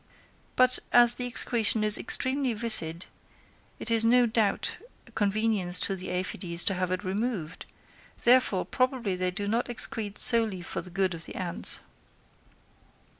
But as the excretion is extremely viscid, it is no doubt a convenience to the aphides to have it removed; therefore probably they do not excrete solely for the good of the ants.